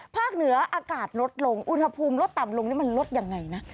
เหนืออากาศลดลงอุณหภูมิลดต่ำลงนี่มันลดยังไงนะ